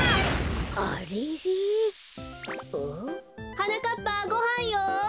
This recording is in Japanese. はなかっぱごはんよ。